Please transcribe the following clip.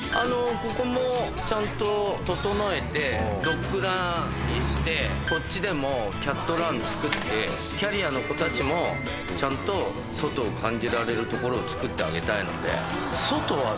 ドッグランにしてこっちでもキャットラン作ってキャリアの子たちもちゃんと外を感じられる所を作ってあげたいので。